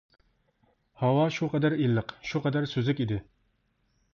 ھاۋا شۇ قەدەر ئىللىق، شۇ قەدەر سۈزۈك ئىدى!